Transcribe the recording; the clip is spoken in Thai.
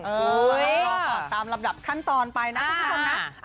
เออตามระดับขั้นตอนไปนะครับทุกคนนะ